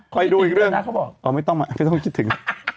ไปดูอีกเรื่อง